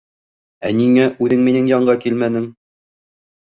Ә ниңә үҙең минең янға килмәнең?